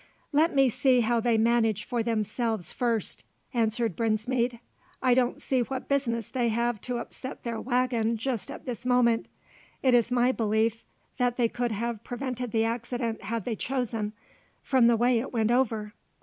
"Let us see how they manage for themselves first," answered Brinsmead. "I don't see what business they have to upset their waggon just at this moment. It is my belief that they could have prevented the accident had they chosen, from the way it went over."